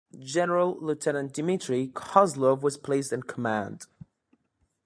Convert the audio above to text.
General Lieutenant Dmitri Kozlov was placed in command.